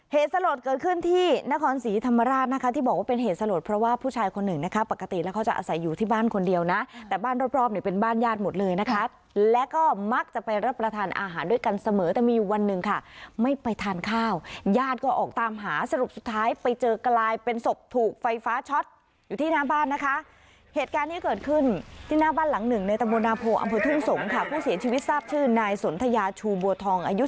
เหตุสลดเกิดขึ้นที่นครศรีธรรมราชนะคะที่บอกว่าเป็นเหตุสลดเพราะว่าผู้ชายคนหนึ่งนะคะปกติแล้วเขาจะอาศัยอยู่ที่บ้านคนเดียวนะแต่บ้านรอบเนี่ยเป็นบ้านญาติหมดเลยนะคะแล้วก็มักจะไปรับประทานอาหารด้วยกันเสมอแต่มีวันหนึ่งค่ะไม่ไปทานข้าวญาติก็ออกตามหาสรุปสุดท้ายไปเจอกลายเป็นศพถูกไฟฟ้าช็อตอยู่ท